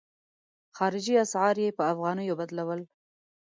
خارجي اسعار یې په افغانیو بدلول.